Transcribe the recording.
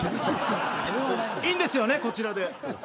いいんですよね、こちらで。